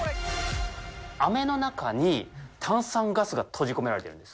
あめの中に、炭酸ガスが閉じ込められているんです。